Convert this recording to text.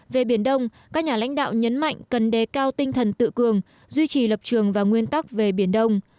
về biển đông các nhà lãnh đạo nhấn mạnh cần đề cao tinh thần tự cường duy trì lập trường và nguyên tắc về biển đông